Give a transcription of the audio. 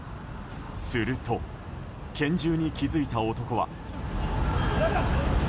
すると、拳銃に気づいた男は。